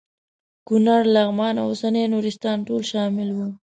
کونړ لغمان او اوسنی نورستان ټول شامل وو.